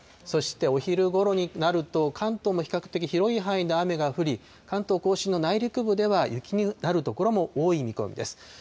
そしてお昼ごろになると、関東も比較的広い範囲で雨が降り、関東甲信の内陸部では、雪になる所も多い見込みです。